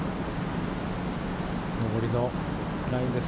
上りのラインです。